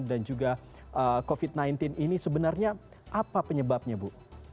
dan juga covid sembilan belas ini sebenarnya apa penyebabnya bu